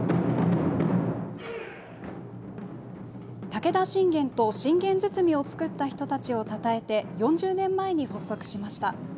武田信玄と信玄堤を作った人たちをたたえて、４０年前に発足しました。